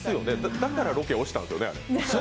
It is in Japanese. だからロケ押したんですよね。